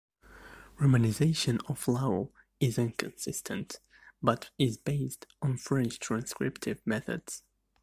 Romanisation of Lao is inconsistent, but is based on French transcriptive methods.